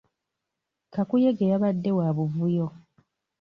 Kakuyege yabadde wa buvuyo.